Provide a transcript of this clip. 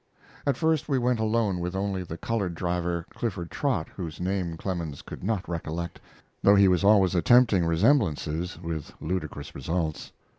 At first we went alone with only the colored driver, Clifford Trott, whose name Clemens could not recollect, though he was always attempting resemblances with ludicrous results.